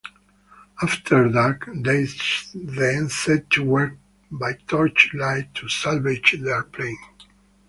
After dark, they then set to work by torch light to salvage their plane.